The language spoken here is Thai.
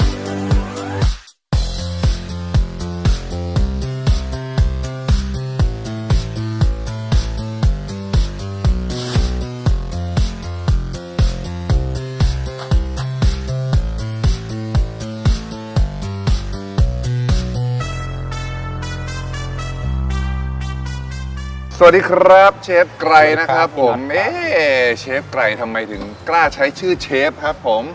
สวัสดีครับเชฟไกรนะครับผมเอ๊เชฟไกรทำไมถึงกล้าใช้ชื่อเชฟครับผม